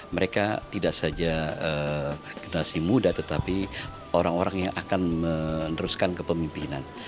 mereka tidak saja generasi muda tetapi orang orang yang akan meneruskan kepemimpinan